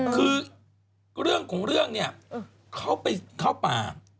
คือเรื่องของเรื่องเนี่ยเขาไปเข้าป่า